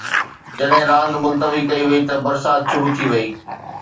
جڏهن راند ملتوي ڪئي وئي ته برسات شروع ٿي وئي.